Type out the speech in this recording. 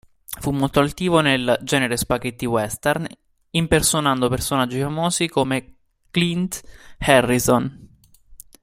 Fu molto attivo nel genere Spaghetti western, impersonando personaggi famosi come "Clint Harrison".